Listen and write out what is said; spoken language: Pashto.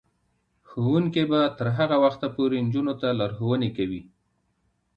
ښوونکې به تر هغه وخته پورې نجونو ته لارښوونې کوي.